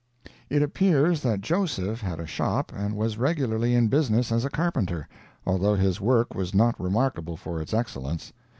It appears that Joseph had a shop and was regularly in business as a carpenter, although his work was not remarkable for its excellence.